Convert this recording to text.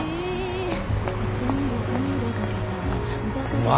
お前。